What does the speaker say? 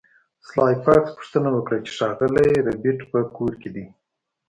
سلای فاکس پوښتنه وکړه چې ښاغلی ربیټ په کور کې دی